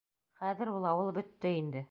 Хәҙер ул ауыл бөттө инде...